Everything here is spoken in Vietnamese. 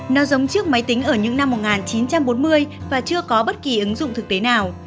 nó giống trước máy tính ở những năm một nghìn chín trăm bốn mươi và chưa có bất kỳ ứng dụng thực tế nào